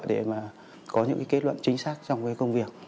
để có những kết luận chính xác trong công việc